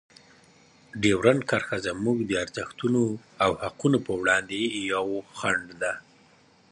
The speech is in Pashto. ډیورنډ کرښه زموږ د ارزښتونو او حقونو په وړاندې یوه خنډ ده.